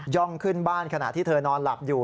่องขึ้นบ้านขณะที่เธอนอนหลับอยู่